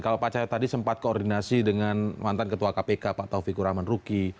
kalau pak cahayao tadi sempat koordinasi dengan mantan ketua kpk pak taufik kuraman ruki